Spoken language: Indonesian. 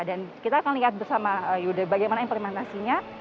dan kita akan lihat bersama yuda bagaimana implementasinya